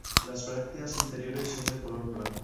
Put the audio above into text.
Las brácteas interiores son de color blanco.